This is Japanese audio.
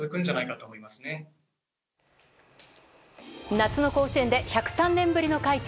夏の甲子園で１０３年ぶりの快挙。